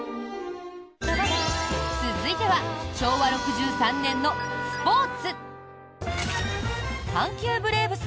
続いては昭和６３年のスポーツ！